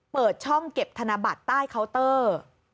เปิดช่องเก็บธนบัตรใต้เคาน์เตอร์